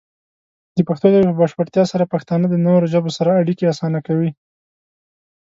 د پښتو ژبې په بشپړتیا سره، پښتانه د نورو ژبو سره اړیکې اسانه کوي.